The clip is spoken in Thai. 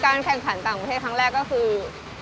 แข่งขันต่างประเทศครั้งแรกก็คือ